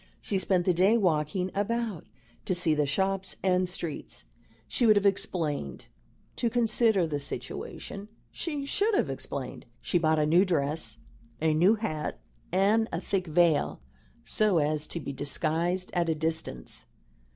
She spent the day walking about to see the shops and streets, she would have explained; to consider the situation, she should have explained. She bought a new dress, a new hat, and a thick veil, so as to be disguised at a distance.